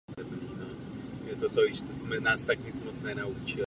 Zde udělal díky svému vojenskému talentu a osobní statečnosti rychlou kariéru.